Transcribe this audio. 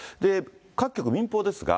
各局、民放ですが。